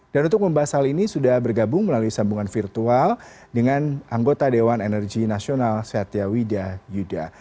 dan untuk membahas hal ini sudah bergabung melalui sambungan virtual dengan anggota dewan energi nasional satya widya yuda